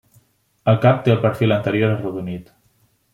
El cap té el perfil anterior arrodonit.